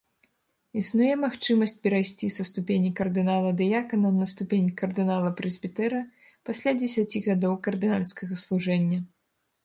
Існуе магчымасць перайсці са ступені кардынала-дыякана на ступень кардынала-прэзбітэра пасля дзесяці гадоў кардынальскага служэння.